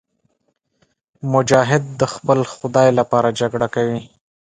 مجاهد د خپل خدای لپاره جګړه کوي.